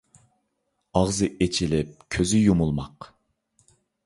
ئاغزى ئېچىلىپ كۆزى يۇمۇلماق.